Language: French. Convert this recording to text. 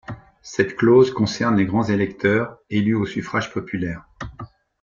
Cette clause concerne les grands électeurs, élus au suffrage populaire.